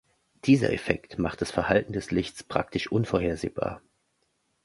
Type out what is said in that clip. Dieser Effekt macht das Verhalten des Lichts praktisch unvorhersehbar.